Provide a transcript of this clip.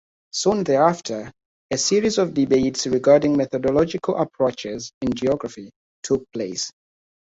Soon thereafter, a series of debates regarding methodological approaches in geography took place.